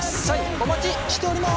お待ちしております！